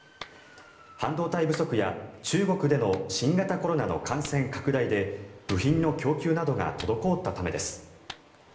半導体不足や中国での新型コロナの感染拡大で部品の供給などが滞ったためです。